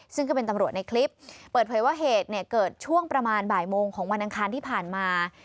ซึ่งก็เป็นตำรวจในคลิปเปิดเผยว่าเหตุเนี่ยเกิดช่วงประมาณบ่ายโมงของวันอังคารที่ผ่านมา